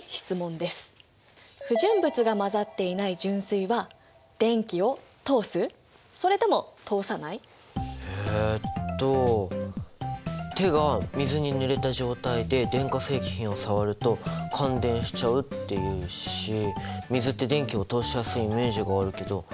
不純物が混ざっていないえっと手が水にぬれた状態で電化製品を触ると感電しちゃうっていうし水って電気を通しやすいイメージがあるけど。